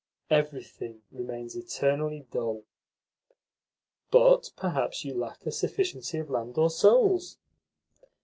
Everything remains eternally dull." "But perhaps you lack a sufficiency of land or souls?"